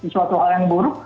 suatu hal yang buruk